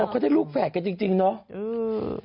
ก็ได้ลูกแฝดกันจริงเนาะ